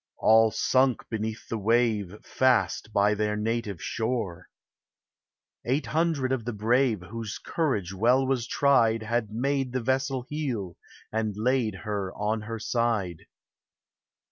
All sunk beneath the wave, Fast by their native shore. Eight hundred of the brave, Whose courage well was tried, Had made the vessel heel, And laid her on her side.